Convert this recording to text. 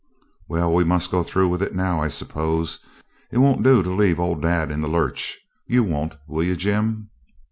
'Well, we must go through with it now, I suppose. It won't do to leave old dad in the lurch. You won't, will you, Jim?'